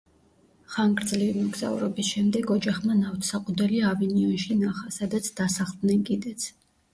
ხანგრძლივი მოგზაურობის შემდეგ ოჯახმა ნავთსაყუდელი ავინიონში ნახა, სადაც დასახლდნენ კიდეც.